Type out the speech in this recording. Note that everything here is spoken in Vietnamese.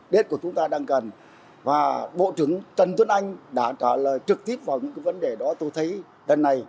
đết của chúng ta đang cần và bộ trưởng trần tuấn anh đã trả lời trực tiếp vào những vấn đề đó tôi thấy lần này